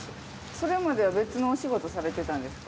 それまでは別のお仕事されてたんですか？